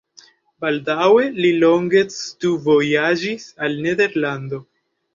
Baldaŭe li longe studvojaĝis al Nederlando.